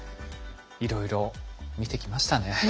いろいろ見てきましたね。